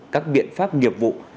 các biện pháp nghiệp vụ